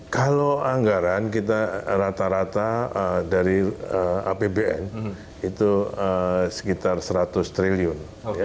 kalau anggaran kita rata rata dari apbn itu sekitar seratus triliun